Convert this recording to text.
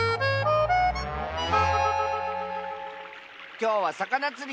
きょうはさかなつり！